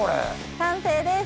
完成です。